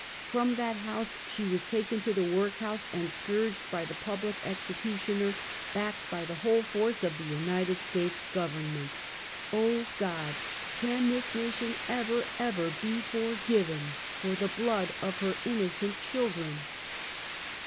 From that house she was taken to the work house and scourged by the public execu 58 Half a Centuey. tioner, backed bj the whole force of the United States government. Oh! God! Can this nation ever, ever be forgiven for the blood of her innocent children?'